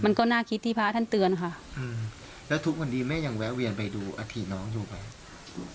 มันก็น่าคิดที่พระท่านเตือนค่ะอืมแล้วทุกวันนี้แม่ยังแวะเวียนไปดูอาทิตน้องอยู่ไหม